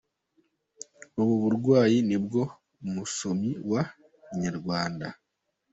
Ubu burwayi nibwo umusomyi wa inyarwanda.